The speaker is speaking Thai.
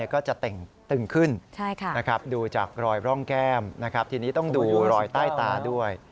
ก็จะเต่งตึงขึ้นดูจากรอยร่องแก้มนะครับทีนี้ต้องดูรอยใต้ตาด้วย